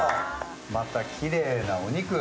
またきれいなお肉。